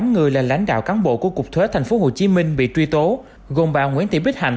một mươi tám người là lãnh đạo cán bộ của cục thuế tp hcm bị truy tố gồm bà nguyễn thị bích hạnh